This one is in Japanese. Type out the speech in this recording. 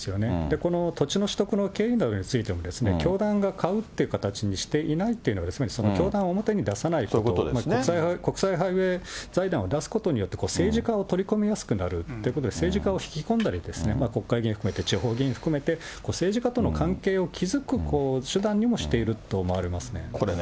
この土地の取得の経緯などについても、教団が買うっていう形にしていないっていうことは、教団を表に出さないということ、国際ハイウェイ財団を出すことによって、政治家を取り込みやすくなるということで、政治家を引き込んだり、国会議員含めて、地方議員含めて、政治家との関係を築く手段にもしていると思われますね。